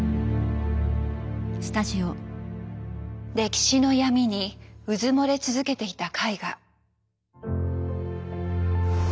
歴史の闇にうずもれ続けていた絵画。